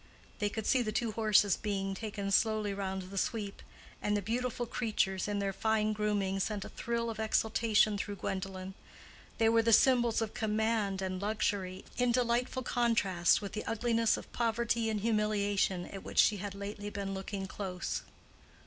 They could see the two horses being taken slowly round the sweep, and the beautiful creatures, in their fine grooming, sent a thrill of exultation through Gwendolen. They were the symbols of command and luxury, in delightful contrast with the ugliness of poverty and humiliation at which she had lately been looking close.